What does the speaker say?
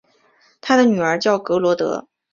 他的女儿叫格萝德。